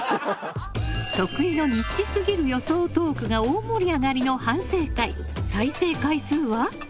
徳井のニッチすぎる予想トークが大盛り上がりの反省会再生回数は？